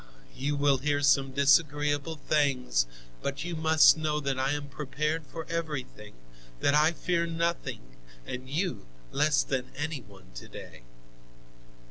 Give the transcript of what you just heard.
You will hear some disagreeable things, but you must know that I am prepared for everything, that I fear nothing, and you less than any one to day."